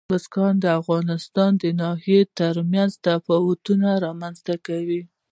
بزګان د افغانستان د ناحیو ترمنځ تفاوتونه رامنځته کوي.